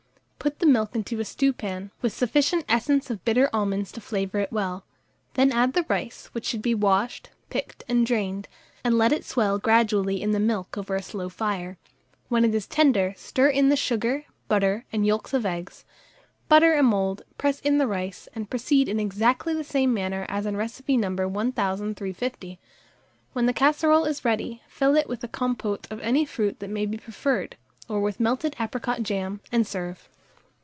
Put the milk into a stewpan, with sufficient essence of bitter almonds to flavour it well; then add the rice, which should be washed, picked, and drained, and let it swell gradually in the milk over a slow fire. When it is tender, stir in the sugar, butter, and yolks of eggs; butter a mould, press in the rice, and proceed in exactly the same manner as in recipe No. 1350. When the casserole is ready, fill it with a compôte of any fruit that may be preferred, or with melted apricot jam, and serve.